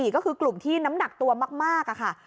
ก็คือกลุ่มที่น้ำหนักตัวมากค่ะ